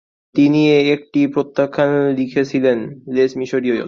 তিনি একটি প্রত্যাখ্যান লিখেছিলেন, ‘লেস মিশরীয়স’।